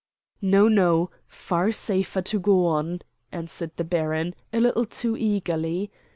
"No, no, far safer to go on," answered the baron, a little too eagerly.